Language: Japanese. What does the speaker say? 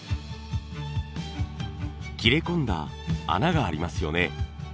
切れ込んだ穴がありますよね。